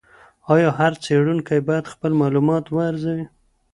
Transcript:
ایا هر څېړونکی باید خپل معلومات وارزوي؟